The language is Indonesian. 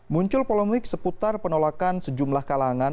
muncul polemik seputar penolakan sejumlah kalangan